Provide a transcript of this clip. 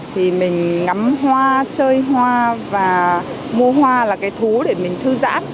thì mình ngắm hoa chơi hoa và mua hoa là cái thú để mình thư giãn